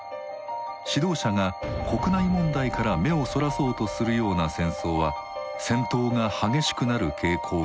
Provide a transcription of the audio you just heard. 指導者が国内問題から目をそらそうとするような戦争は戦闘が激しくなる傾向がある。